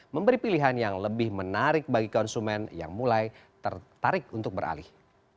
memberi pilihan yang lebih menarik bagi konsumen yang mulai tertarik untuk beralih